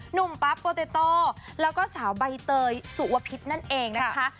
ปั๊บโปเตโต้แล้วก็สาวใบเตยสุวพิษนั่นเองนะคะ